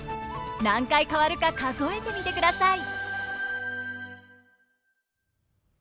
何回変わるか数えてみてください！